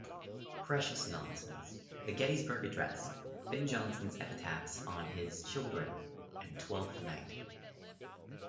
"Precious Nonsense: The Gettysburg Address, Ben Jonson's Epitaphs on His Children, and" Twelfth Night.